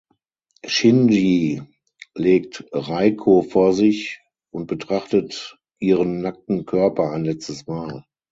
Shinji legt Reiko vor sich und betrachtet ihren nackten Körper ein letztes Mal.